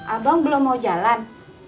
abang belum mau jalan